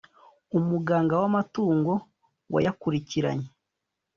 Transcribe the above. umuganga w’amatungo wayakurikiranye